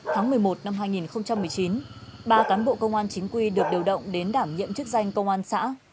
tháng một mươi một năm hai nghìn một mươi chín ba cán bộ công an chính quy được điều động đến đảm nhiệm chức danh công an xã